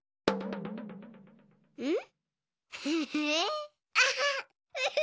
うん？